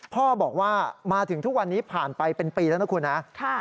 พ่อบอกว่ามาถึงทุกวันนี้ผ่านไปเป็นปีแล้วนะคุณนะ